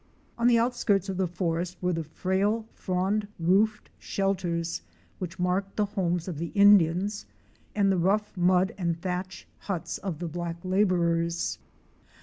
On the outskirts of the forest were the frail, frond roofed shelters which marked the homes of the Indians and the rough mud and thatch huts of the black laborers.